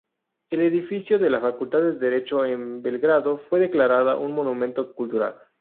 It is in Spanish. El edificio de la Facultad de Derecho en Belgrado fue declarada un monumento cultural.